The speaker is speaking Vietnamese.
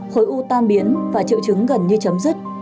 khối ưu tam biến và triệu chứng gần như chấm dứt